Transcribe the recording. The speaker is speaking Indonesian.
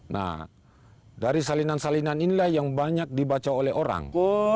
nah dari salinan salinan inilah yang banyak dibaca oleh orang